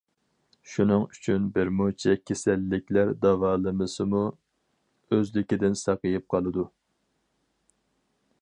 شۇنىڭ ئۈچۈن بىرمۇنچە كېسەللىكلەر داۋالىمىسىمۇ ئۆزلۈكىدىن ساقىيىپ قالىدۇ.